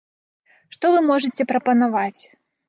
Што вы можаце прапанаваць?